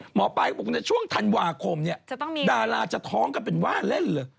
หมอปลาก็บอกว่าในช่วงธันวาคมเนี่ยดาราจะท้องกันเป็นว่าเล่นเลย